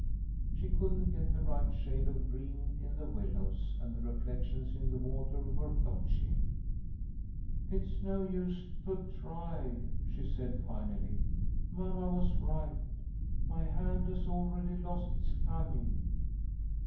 She couldn't get the right shade of green in the willows, and the reflections in the water were blotchy. "It's no use to try," she said, finally. "Mamma was right. My hand has already lost its cunning."